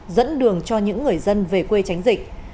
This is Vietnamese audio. dẫn đường cho những người dân về quê tránh dịch